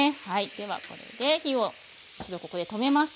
ではこれで火を一度ここで止めます。